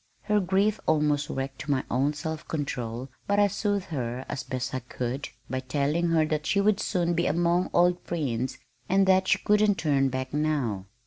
Her grief almost wrecked my own self control but I soothed her as best I could by telling her that she would soon be among old friends and that she couldn't turn back now.